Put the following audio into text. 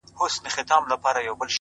• یو درزن چي دي زامن دي زېږولي,